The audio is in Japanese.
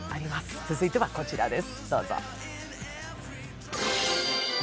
続いてはこちらです。